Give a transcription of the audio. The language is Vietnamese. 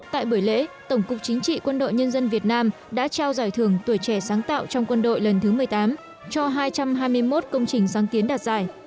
tại buổi lễ tổng cục chính trị quân đội nhân dân việt nam đã trao giải thưởng tuổi trẻ sáng tạo trong quân đội lần thứ một mươi tám cho hai trăm hai mươi một công trình sáng kiến đạt giải